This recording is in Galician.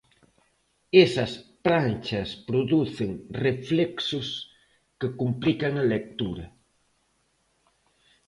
Esas pranchas producen reflexos que complican a lectura.